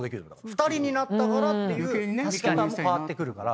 ２人になったからっていう見方も変わってくるから。